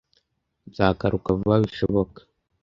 Nzagaruka vuba bishoboka.